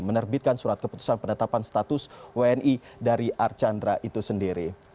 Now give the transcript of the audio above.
menerbitkan surat keputusan penetapan status wni dari archandra itu sendiri